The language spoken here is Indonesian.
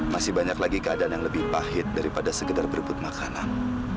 masih banyak lagi keadaan yang lebih pahit daripada sekedar berebut makanan